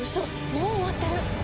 もう終わってる！